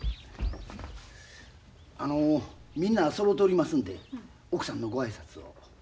あのみんなそろとりますんで奥さんのご挨拶を。